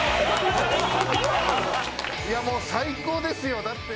いやもう最高ですよ。